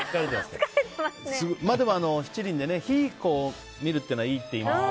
でも、七輪でね火を見るっていうのはいいっていいます。